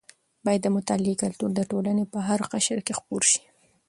باید د مطالعې کلتور د ټولنې په هره قشر کې خپور شي.